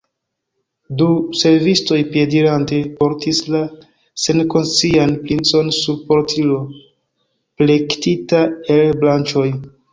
Du servistoj piedirante portis la senkonscian princon sur portilo, plektita el branĉoj.